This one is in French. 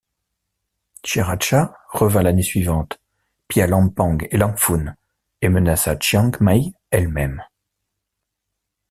Chairacha revint l'année suivante, pilla Lampang et Lamphun et menaça Chiang Mai elle-même.